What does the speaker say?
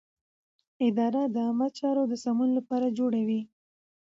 اداره د عامه چارو د سمون لپاره پلان جوړوي.